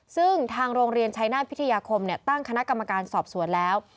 ซึ่งทางโรงเรียนชัยนาศพิทยาคมตั้งคณะกรรมการสอบสวนแล้ว